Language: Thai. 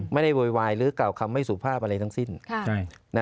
ไม่ได้โวยวายหรือเก่าคำไม่สูบภาพอะไรทั้งสิ้น